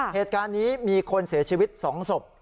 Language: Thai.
เหตุการณ์นี้มีคนเสียชีวิต๒ศพ